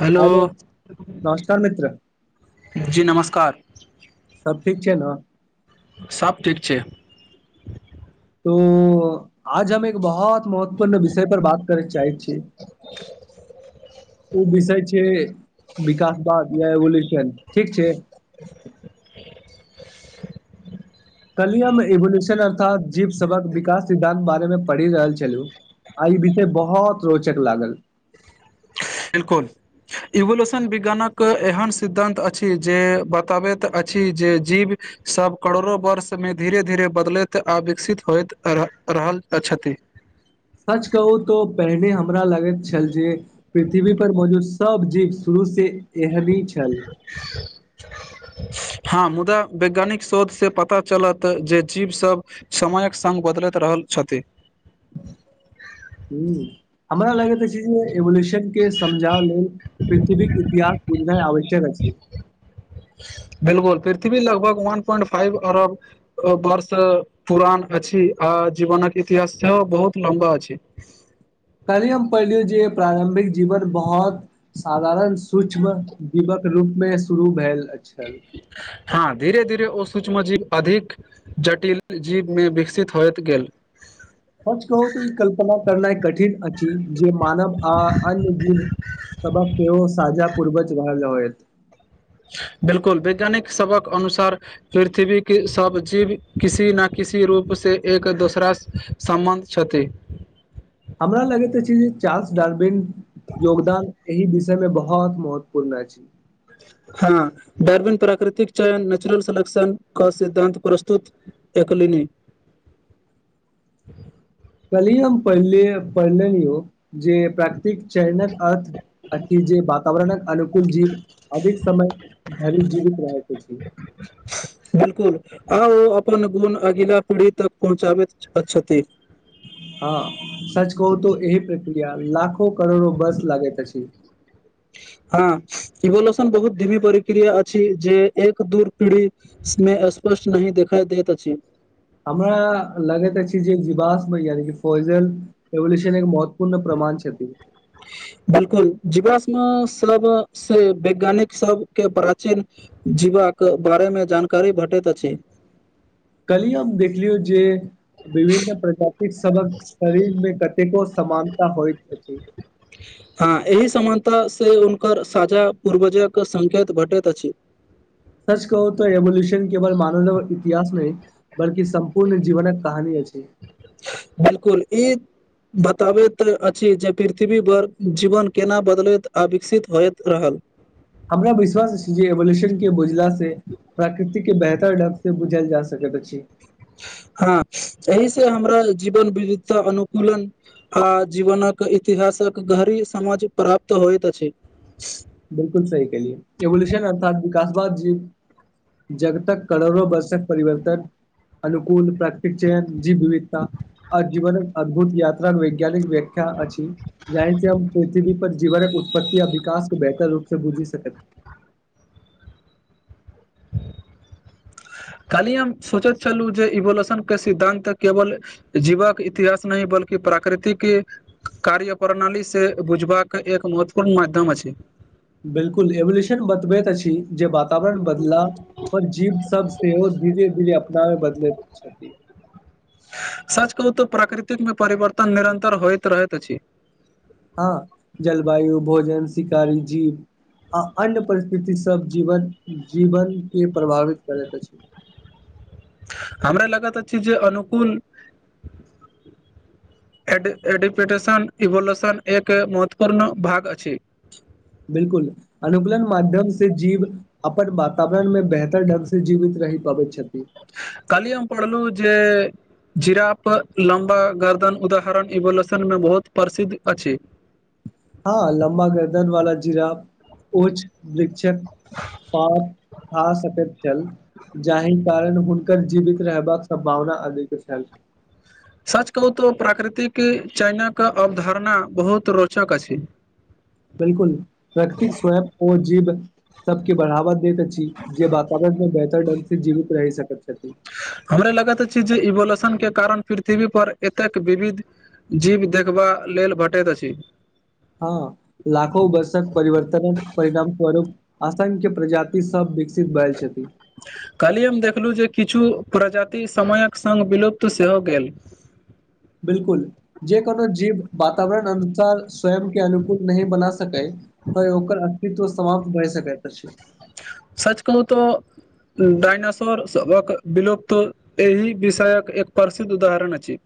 Hello नमस्कार मित्र जी नमस्कार ठीक छै न सब ठीक छै तो आज हम एक बहौत महत्वपूर्ण विषय पर बात करय चाहैत छी ओ विषय छै विकासवाद या रेवोल्यूशन ठीक छै [inaudible] काल्हिये हम एवोलूशन अर्थात जीव सबक विकास सिद्धान्त बारेमे पढ़ि रहल छलौं आ ई बिषय बहुत रोचक लागल बिलकुल इवोल्यूशन विज्ञानक एहन सिद्धान्त अछि जे बताबैत अछि जे जीव सभ करोड़ो वर्षमे धीरे धीरे बदलैत आ विकसित होइत रह रहल छथि [inaudible] सच कहू तो पेहिने हमरा लगैत छल जे पृथ्वी पर मौजूद सब जीव शुरू ओ से एहने छल [inaudible] हँ मुदा वैज्ञानिक शोध से पता चलत जे जीव सब समयक संग बदलैत रहल छथि [inaudible] हुँ हमरा लगैत छै जे एवोल्यूशन के समझाव लेल पृथ्वीक इतिहास बुझनाय आवश्यक अछि बिलकुल पृथ्वी लगभग वन प्वइंट फाइव अरब वर्ष पुरान अछि आ जीवनक इतिहास सेहो बहुत लम्बा अछि पैहलिए हम पढ़लिय जे प्रारंभिक जीवन बहुत साधारण सूक्ष्म दीमक रूप मे शुरू भेल छल हँ धीरे धीरे ओ स सूक्ष्म जीव अधिक जटिल जीवमे विकसित होयत गेल सच कहुँ तऽ ई कल्पना करनाए कठिन अछि जे हम मानव आ अन्य जीव सभक सेहो साझा पूर्वज रहल होयत बिलकुल वैज्ञानिक सभक अनुसार पृथ्वी के सब जीव किसी न कि किसी रूपसे एक दोसरा सम्बन्ध छथि हमरा लगैत अछि जे चार्ल्स डर्बिन योगदान एहि वि विषय मे बहुत महत्वपूर्ण अछि हँ डार्विन प्राकृतिक चयन नेचुरल सेलेक्शन कऽ सिद्धान्त प्रस्तुत एक ले नि [inaudible] काल्हि हम पढ़ले पढ़लेलियौ जे प्राकृतिक चयनक अर्थ अछि जे वातावरणक अनुकूल जीव अधिक समय धरि जीवीत रहयक छी बिलकुल आ ओ अपन गुण अगिला पीढ़ी तक पहुँचाबैत छथि ह [inaudible] हँ सच कहू त एहि प्रक्रिया लाखो करोड़ो बर्ष लागैत अछि। हँ इवोल्यूशन बहुत धिमी प्रक्रिया अछि जे एक दू पीढ़ी स्ने स्पष्ट नहि देखाइ दैत अछि हमरा लगैत अछि जे जिबास्म यानि की फोइजन पब्लिशिंग एन महत्वपूर्ण प मान छथिन बिलकुल जीवास्म‌ श्रब से वैज्ञानिक सबके प्राचीन जी वाक बारेमे जानकारी भेटैत अछि। कलहि हम देखलियौ जे विभिन्न प्रजातिक सबक शरीर मे कतेको सामानता होइत अछि। हँ एहि समानत ता से हुनकर साझा पूर्वजक संकेत घटैत अछि सच कहू तऽ एवोल्यूशन केवल मानवक इतिहास नहि बल्कि सम्पूर्ण जीवनक कहानी अछि छी बिलकुल ई बताबैत अछि जे पृथ्वी पर जीवन केना बदलैत आ विकसित होइत रहल हमरा विश्वास अछि जे एवोल्यूशन के बुझला से प्राकृतिके बेहतर ढंग से बुझल जा सकै त अछि हँ एहि से हमरा जीवन विविधता अनुकूलन आ जीवनक इतिहास सक गहरी समझ प्राप्त होइत अछि बिलकुल सही कहलियै इवोल्यूशन अर्थात विकासवाद जी जगतक करोड़ो बर्षक परिवर्तन अनुकूल प्राकृतिक चयन जीव विविधता आ जीवनक अद्भुत यात्रा वैज्ञानिक व्याख्या अछि जाहि सँ हम पृथ्वी पर जीवनक उत्पत्ति आ विकास बेहतर रूप सँ बुझी सकत [inaudible] काल्हि हम सोचैत छलु जे इवोलोशन के सिद्धांत केवल जीवक इतिहास नहि बल्कि प्राकृतिक कार्य प्रणालीसँ बुझबाक एक महत्वपूर्ण माध्यम अछि बिलकुल एवोल्यूशन बतबैत अछि जे वातावरण बदलाव पर जीव सब सेहो धीरे धीरे बाय बदलैत छथि सच कहू तऽ प्राकृतिकमे परिवर्तन निरन्तर होइत रहैत अछि हँ जलवायु भोजन शिकारी जीव आ अन्य परिस्थिति सब जीवन जीवनकेँ प्रभावित करैत अछि हमरा लगत अछि जे अनुकूल [inaudible] एडि एडिपटेशन इवोल्यूशन एक महत्वपूर्ण भाग अछि बिलकुल अनुकूलन माध्यम से जीव अपन वातावरण मे बेहतर ढंग से जीवित कहि पबैत छैथ काल्हि हम पढ़लहु जे जीराफ लम्बा गर्दन उदाहरण इवोल्यूशनमे बहुत प्रसिद्ध अछि हँ लम्बा गर्दन वाला जीराफ ओछ शिक्षक सभ खा सकैत छल जाहिमे [unintelligible] कारण हुनकर जीवित रहबाक सम्भावना अधिक छल सच कहू तऽ प्राकृतिक चयनक अवधारणा बहुत रोचक अछि बिलकुल प्रकृतिक स्वयं ओ जीव सभके बढ़ावा अछि जे वातावरण पर बेहतर ढंग से जीवित रहि सकत हमरे लगैत अछि जे इवोलोशन के कारण पृथ्वी पर एतेक विविध जीव देखबा लेल भेटैत अछि हँ लाखो वर्षक परिवर्तनक परिणाम स्वरूप असंख्य प्रजाति सब विक कलहि हम देखलहु जे किछु प्रजाति समयक संग विलुप्त सेहो गेल बिलकुल जे कोनो जीव वातावरण अनुसार स्वयं के अनुकूल नहि बना सकै त ओकर अस्तित्व समाप्त भए सकैत अछि सच कहुँ तऽ डायनासोर सभक विलुप्त एहि विषयक एक प्रसिद्ध उदाहरण अछि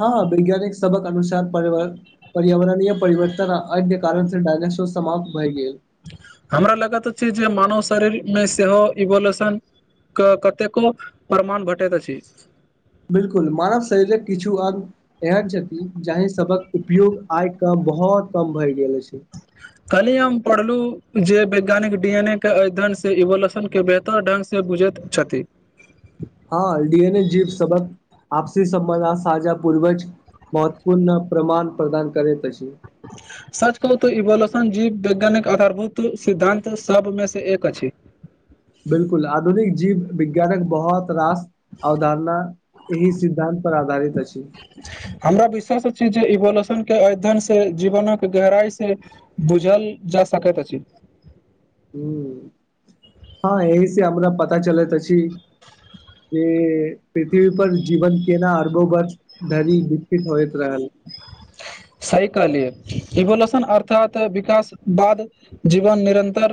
हँ हँ वैज्ञानिक सबहक अनुसार परियावरण पर्यावरणीय परिवर्तन अन्य कारण से डायनासोर समाप्त भए गेल हमरा लगा तऽ छी जे मानुस शरीरमे सेहो इवोल्येशने क कतेको प्रमाण भेटैत अछि बिल्कुल मानव शरीरक किछु अंग एहन छथिन जाहि सबक उपयोग आय कम बहुत कम भैय गेल अछि कली हम पढ़लू जे वैज्ञानिक डी एन ए के अध्ययनसे इवोल्यूशन के बेहतर ढंग से बुझैत छथि हाँ डी एन ए जीव सबक आपसी सम्बध साजा पूर्वज महत्वपूर्ण प्रमाण प्रदान करैत अछी [inaudible] सच कहु तऽ इवोल्यूशन जीव वैज्ञानिक आधारभूत सिद्धान्त सबमे से एक अछि बिल्कुल आधुनिक जीव विज्ञानक बहुत रास अवधारणा एहि सिद्धान्त पर आधारित अछि हमरा विश्वास जे इवोलूशन के अध्ययन से जीवनक गहराई से बुझल जा सकैत अछि हू हाँ एहिसे हमरा पता चलैत अछी जे पृथ्वी पर जीवन केना अरबोबर्ष धरि विकसित होइत रहल [inaudible] सही कहलियै इवोलशन अर्थात विकास बाद जीवन निरन्तर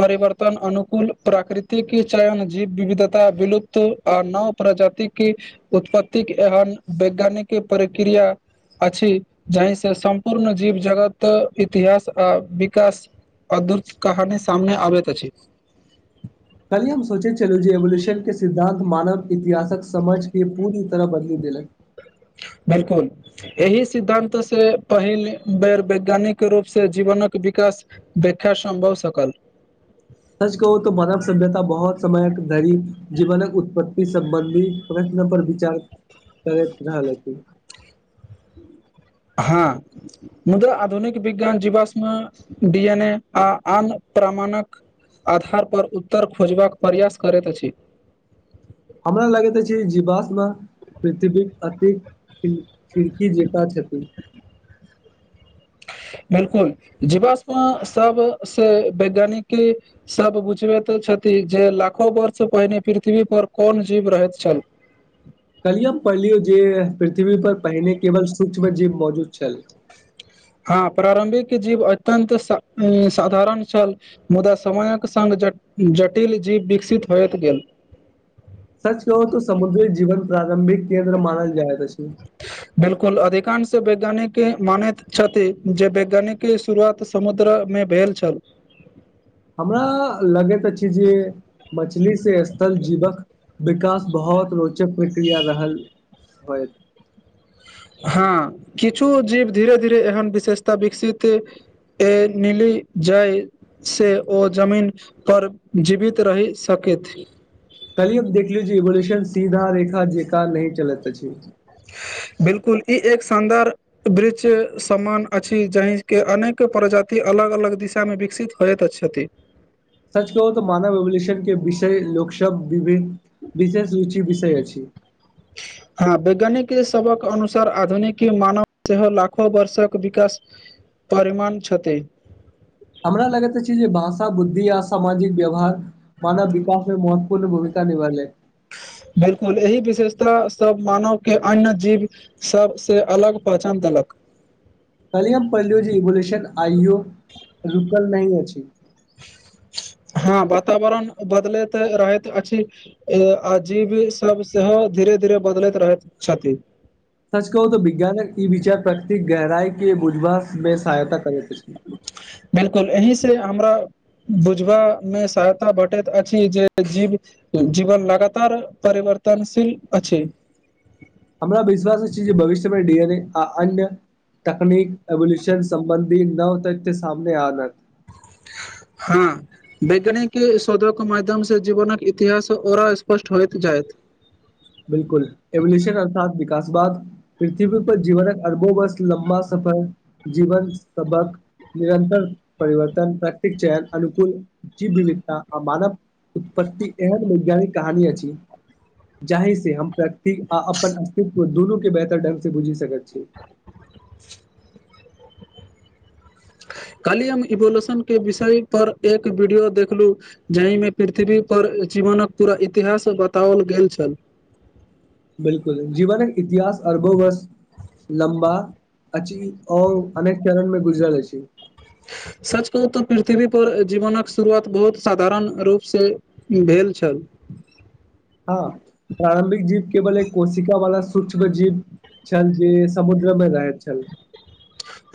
परिवर्तन अनुकूल प्राकृतिकि चयन जीव विविधता विलुप्त आ नव प्रजा जाति की उत्पतिक एहन वैज्ञानिक प्रक्रिया अछि जाहि से सम्पूर्ण जीव जगत इतिहास आ विकास अद्वत कहानी सामने आबैत अछि [inaudible] कलहि हम सोचै चलू जे एवोल्यूशन के सिद्धंत मानव इतिहासक समझ के पूरी तरह बदली दै लक बिल्कुल एहि सिद्धांत से पहिल बेर वैज्ञानिक रूपसे जीवनक विकास व्याख्या सम्भव सकल सच कहू तऽ मानव सभ्यता बहुत समयक धरि जीवनक उत्पत्ति सम्बन्धी प्रश्न पर विचार करैत रहल अछि हँ मुदा आधुनिक विज्ञान जीवाश्म डि एन ए आ आन प्रमाण मानक आधार पर उत्तर खोजबाक प्रयास करैत अछि हमरा लगैत अति खिड़की जेका छथि बिल्कुल जीवाश्म सब से वैज्ञानिक सब बुझबे छथि जे लाखो वर्ष पहिने पृथ्वी पर कोन जीव रहैत छल [inaudible] कहलियै हम पढ़लियौ जे पृथ्वी पर पहिने केवल सुक्ष्म जीव मौजूद छल [inaudible] हाँ प्रारम्भिक जीव अत्यन्त स साधारण छल मुदा समयक संग जटिल जीव विकसित होयत गेल सच कहु तऽ समुद्री जीवन प्रारंभिक केन्द्र मानल जायत अछि बिल्कुल अधिकांश वैज्ञानिकी मानैत छथि जे वैज्ञानिकी शुरुआत समुद्र मे भैल छल हमरा लगैत अछि जे मछली से स्थल जीवक विकास बहुत रोचक प्रक्रिया रहल होइत हाँ किछु जीव धीरे धीरे एहन विशेषता विकसित ए नीलू जाहि से ओ जमीन पर जीवित रहि सकैथ कल्हिए देखली जे इवोल्यूशन सीधा रेखा जेकाँ नहि चलैत अछि बिल्कुल ई एक शानदार वृक्ष सामान अछि जहिके अनेको प्रजाति अलग अलग दिशामे विकसित होयत छथि सच कहू तऽ मानव इवोल्यूशन के विषय लोकसभ विभिन्न विशेष रुचि विषय अछि हँ वैज्ञानिक सभक अनुसार आधुनिकी मानव सेहो लाखो वर्षक विकास परिमाण छथि हमरा लगैत अछि जे भाषा बुद्धि आ सामाजिक व्यवहार मानव विकासमे महत पूर्ण भूमिका निभैलक बिलकुल एहि विशेषता सब मानवकेँ अन्य जीव सभसे अलग पहचान देलक कल्हि हम पढ़लियै जे इवोल्यूशन आइयो रुकल नहि अछि [inaudible] हँ वातावरण बदलैत रहैत अछि आ जीव सब सेहो धीरे धीरे धीरे बदलैत रहैत छथि सच कहू तऽ विज्ञानक ई विचार प्रकृतिक गहराई के बुझबाक लेल सहायता करैत अछि बिलकुल एहि से हमरा बुझबा मे सहायता भेटैत अछि जे जीवन लगातार परिवर् वर्तनशील अछि। हमरा विश्वास अछि जे भविष्यमे डी एन ए आ अन्य तकनीक एवल्यूशन संबन्धी नव तथ्य सामने आनै हँ वैज्ञानिक शोधक माध्यमसँ जीवनक इतिहास आओर स्पष्ट होइत जायत बिलकुल एवोल्यूशन अर्थात विकासवाद पृथ्वी पर जीवनक अरबो वर्ष लंबा समय पर जीवन सभक निरन्तर परिवर्तन प्रकृतिक चयन अनुकूल जीव विविधता आ मानव उत्पत्ति एहन वैज्ञानिक कहानी अछि जाहि सँ हम प्रकृति आ अपन अस्तित्व दुनू केर बेहतर ढंग सँ बुझि सकैत छी [inaudible] काल्हि हम इवोल्यूशन के विषय पर एक वीडियो देखलु जहिमे पृथ्वी पर ची जीवनक पूरा इतिहास बताओल गेल छल बिलकुल जीवनक इतिहास अरबो बर्ष लम्बा अछि आओर अनेक चरणमे गुजरल अछि सच कहू तऽ पृथ्वी पर जीवनक शुरुआत बहुत साधारण रूपसँ भेल शील छल [inaudible] हँ प्रारम्भिक जीव केवल एक कोशिका वाला सूक्ष्म जीव छल जे समुद्र मे रहैत छल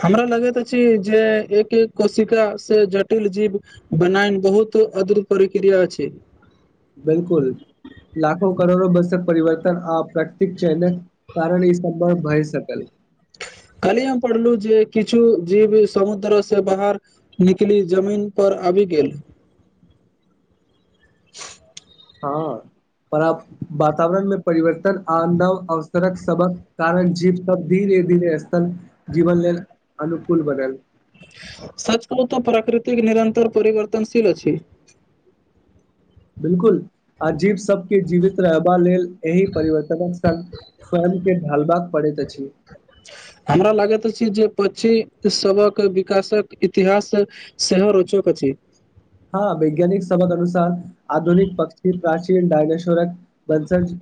हमरा लगैत अछि जे एक-एक कोशिका से जटिल जीव बनायन बहुत अदृत प्रक्रिया छै बिलकुल लाखो करोड़ो वर्ष सँ परिवर्तन आ प्राकृतिक चयनक कारण ई सभ भय सकल [inaudible] काल्हि हम पढ़लु जे किछु जीव समुद्र सँ बाहर निकलि जमीन पर अबि गेल हँ पराप्त वातावरण मे परिवर्तन आ नव अवसरक सबक कारण जीव तब धीर ए दिन स्थल जीवन लेल अनुकूल बनल सच कहू तऽ प्राकृतिक निरतर परिवर्तनशील अछि बिलकुल अजीब सब के जीवित रहबा लेल एहि परिवर्तनक संग स्वयं के ढालबाक पड़ैत अछि हमरा लागैत अछि जे पछि सबक विकासक इतिहास सेहो रोचक अछि हँ वैज्ञानिक सबक अनुसार आधुनिक पक्षी प्रच डायनासोरक वंसज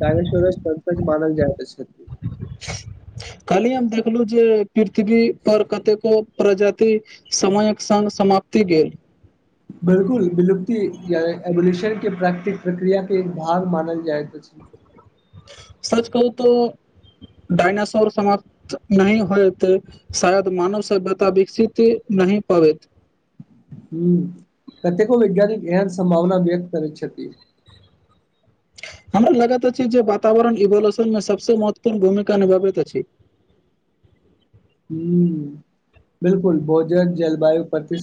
डामनासोरक वंसज मानल जाइत अछि [unintelligible] कल्हि हम देखलहु जे पृथ्वी पर कतेको प्रजाति समयक संग समाप्ति गेल बिलकुल बिलुप्ती या इवेलुएसन के प्राकृतिक प्रक्रिया के एक भार मानल जाइत अछि सच कहू त डइनासोर समाप्त नहि होत शायद मानव सभ्यता विकसित नहि पबैत हू कतेको वैज्ञानिक एहन समभावना व्यक्त करैत छथि [inaudible] हमरा लागैत अछि जे वातावरण इवोलशनमे सभसँ महत्वपूर्ण भूमिका निभाबैत अछि ह बिलकुल भोजन जलवायु प्रति